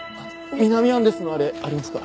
南アンデスのあれありますか？